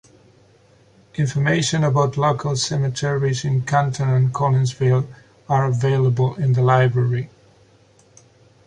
Information about local cemeteries in Canton and Collinsville are available in the library.